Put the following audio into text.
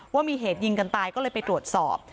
ว่ามีเหตุยิงกันตายก็เลยไปตรวจสอบ